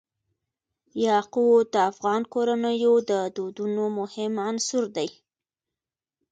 یاقوت د افغان کورنیو د دودونو مهم عنصر دی.